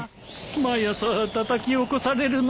毎朝たたき起こされるの。